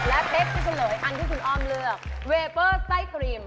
อะไร